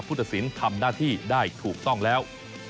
ตัดสินทำหน้าที่ได้ถูกต้องแล้ว